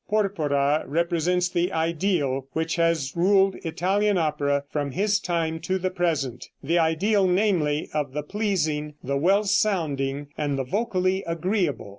Porpora represents the ideal which has ruled Italian opera from his time to the present, the ideal, namely, of the pleasing, the well sounding, and the vocally agreeable.